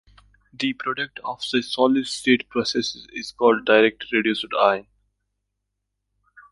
The product of such solid state processes is called direct reduced iron.